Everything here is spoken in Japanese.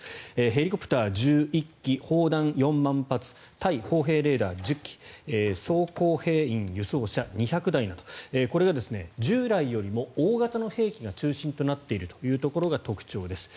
ヘリコプター１１機、砲弾４万発対砲兵レーダー１０基装甲兵員輸送車２００台などこれが従来よりも大型の兵器が中心となっているところが特徴です。